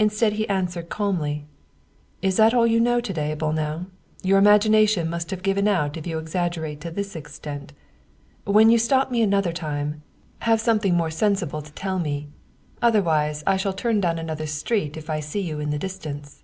Instead, he answered calmly: "Is that all you know to day, Bolnau? Your imagination must have given out if you exaggerate to this extent. When you stop me another time, have something 83 German Mystery Stories more sensible to tell me. Otherwise, I shall turn down another street if I see you in the distance."